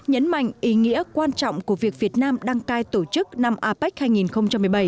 nhấn mạnh ý nghĩa quan trọng của việc việt nam đăng cai tổ chức năm apec hai nghìn một mươi bảy